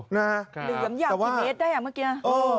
เหลือหยากทีเบตได้ั่เมื่อกี๊น่ะ